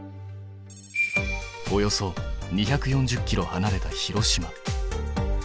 およそ２４０ｋｍはなれた広島。